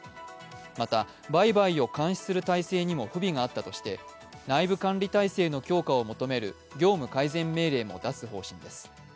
また、売買を監視する体制にも不備があったとして内部管理態勢の強化を求める業務改善命令も出す方針です。